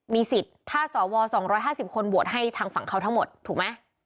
มีสิทธิ์ถ้าสว๒๕๐คนโหวตให้ทางฝั่งเขาทั้งหมดถูกไหม